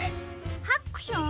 ハックション？